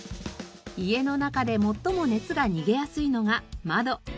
家の中で最も熱が逃げやすいのが窓。